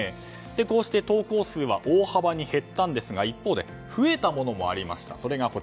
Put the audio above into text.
こうして投稿数は大幅に減ったんですが一方で、増えたものもありました。